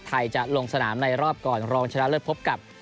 ไทยจะลงสนามในรอบกรรมรองและไม่เที่ยวพบกับ